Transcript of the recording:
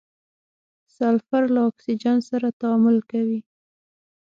سلفر له اکسیجن سره تعامل کوي.